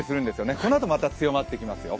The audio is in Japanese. このあとまた強まってきますよ。